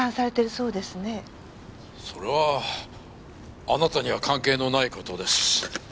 それはあなたには関係のない事です。